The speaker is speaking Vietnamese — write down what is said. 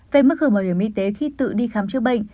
về mức hưởng bảo hiểm y tế khi tự đi khám chữa bệnh